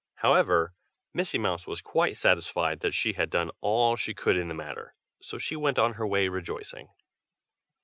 However, Missy Mouse was quite satisfied that she had done all she could in the matter, so she went on her way rejoicing.